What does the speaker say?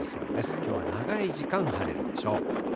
きょうは長い時間晴れるでしょう。